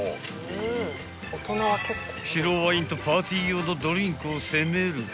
［白ワインとパーティー用のドリンクを攻めると］